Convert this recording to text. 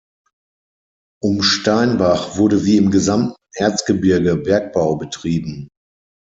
Um Steinbach wurde wie im gesamten Erzgebirge Bergbau betrieben.